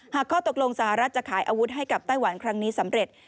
ข้อตกลงสหรัฐจะขายอาวุธให้กับไต้หวันครั้งนี้สำเร็จ